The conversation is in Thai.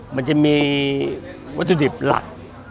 มันจะมีวัตถุดิบหลัก